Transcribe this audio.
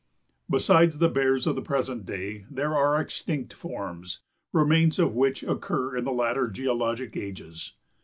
Besides the bears of the present day there are extinct forms, remains of which occur in the later geologic ages.